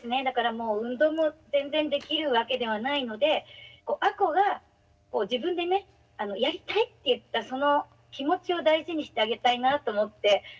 だからもう運動も全然できるわけではないので亜子が自分でねやりたいって言ったその気持ちを大事にしてあげたいなと思って。